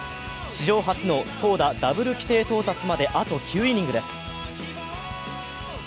史上初の投打ダブル規定到達まであと９イニングです。